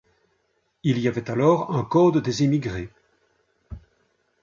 Il y avait alors un Code des émigrés.